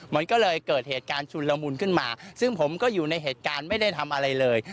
มันก็เลยเกิดเหตุการณ์ชุนละมุนขึ้นมาซึ่งผมก็อยู่ในเหตุการณ์ไม่ได้ทำอะไรเลย